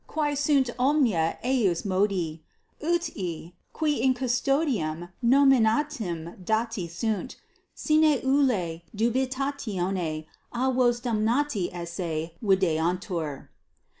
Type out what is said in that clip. Quae sunt omnia eius modi, ut ii, qui in custodiam nominatim dati sunt, sine ulla dubitatione a vobis damnati esse videantur.